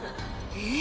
えっ？